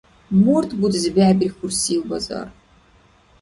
Мурт бузес бехӀбихьурсив базар?